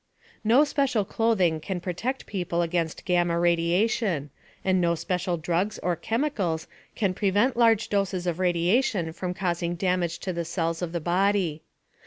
No special clothing can protect people against gamma radiation, and no special drugs or chemicals can prevent large doses of radiation from causing damage to the cells of the body.